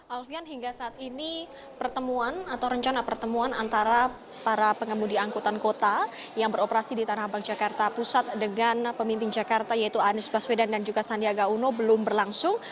alfian hingga saat ini pertemuan atau rencana pertemuan antara para pengemudi angkutan kota yang beroperasi di tanah abang jakarta pusat dengan pemimpin jakarta yaitu anies baswedan dan juga sandiaga uno belum berlangsung